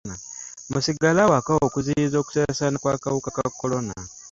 Musigale awaka okuziyiza okusaasaana kw'akawuka ka kolona.